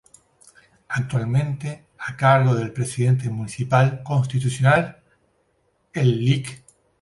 Actualmente a cargo del presidente municipal constitucional, el Lic.